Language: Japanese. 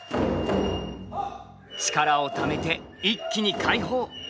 力をためて一気に解放。